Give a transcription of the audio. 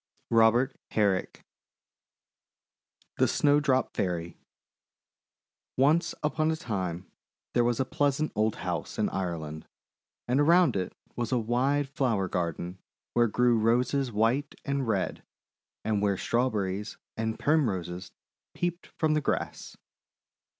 ROBEBT HEBRICK THE SNOWDROP FAIRY Irish Tale ONCE upon a time, there was a pleasant old house in Ireland, and around it was a wide flower gar den where grew Roses white and red, and where Strawberries and Primroses peeped from the grass.